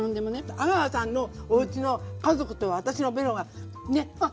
阿川さんのおうちの家族と私のベロがねっ。